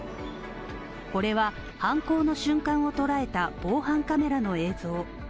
これは犯行の瞬間をとらえた防犯カメラの映像